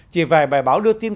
chỉ vài bài báo đưa tin